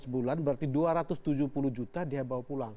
enam belas bulan berarti dua ratus tujuh puluh juta dia bawa pulang